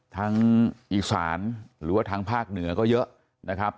ทั้งอีสานหรือว่าทางภาคเหนือก็เยอะนะครับ